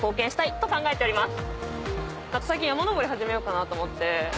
最近山登り始めようかなと思って。